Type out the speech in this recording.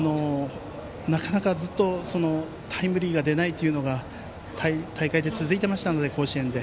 なかなか、ずっとタイムリーが出ないというのが大会で続いていましたので甲子園で。